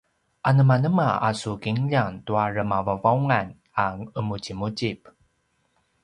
anemanema a su kinljang tua remavauvaungan a ’emuzimuzip?